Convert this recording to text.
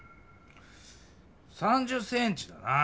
３０センチだな。